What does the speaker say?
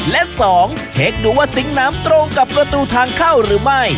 และ๒เช็คดูว่าสิงค์น้ำตรงกับประตูทางเข้าหรือไม่